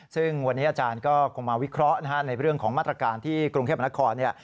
ซึ่งวันนี้อาจารย์ก็มาวิเคราะห์ในเรื่องของมาตรการที่กรุงเทพฯบรรทคอ